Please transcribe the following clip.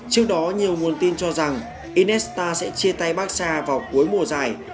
trước đó nhiều nguồn tin cho rằng inesta sẽ chia tay baxa vào cuối mùa giải